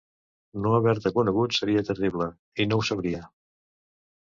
No haver-te conegut seria terrible. I no ho sabria.